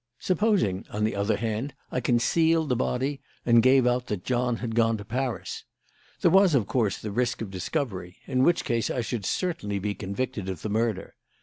"Supposing, on the other hand, I concealed the body and gave out that John had gone to Paris. There was, of course, the risk of discovery, in which case I should certainly be convicted of the murder.